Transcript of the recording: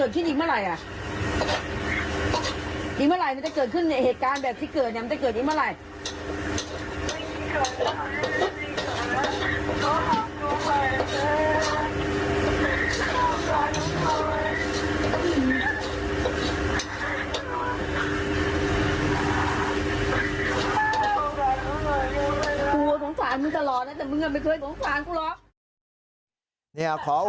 กูสงสารมึงตลอดนะแต่มึงไม่เคยสงสารกูหรอก